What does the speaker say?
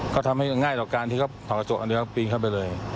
ก็ทำให้ง่ายต่อการที่เขาถอดกระจกอันนี้แล้วปีนเข้าไปเลย